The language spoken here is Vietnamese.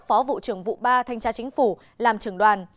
phó vụ trưởng vụ ba thanh tra chính phủ làm trưởng đoàn